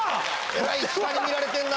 えらい下に見られてんな。